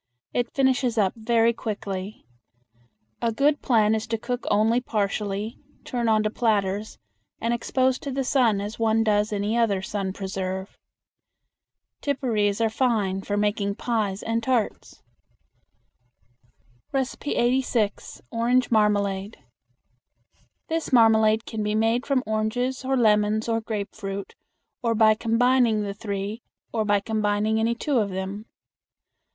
It finishes up very quickly. A good plan is to cook only partially, turn onto platters, and expose to the sun as one does any other sun preserve. Tipparees are fine for making pies and tarts. 86. Orange Marmalade. This marmalade can be made from oranges or lemons or grapefruit, or by combining the three, or by combining any two of them.